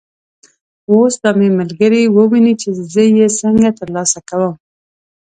اوس به مې ملګري وویني چې زه یې څنګه تر لاسه کوم.